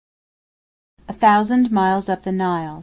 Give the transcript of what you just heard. A Thousand Miles Up The Nile.